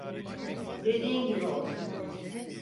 Dediğin gibi olsun.